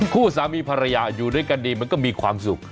คู่สามีภรรยาอยู่ด้วยกันดีมันก็มีความสุข